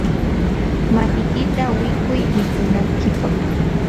makiykita awikuy mikunaykipaq.